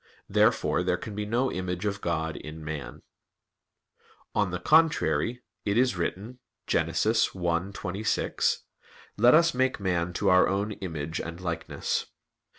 Therefore there can be no image of God in man. On the contrary, It is written (Gen. 1:26): "Let Us make man to Our own image and likeness."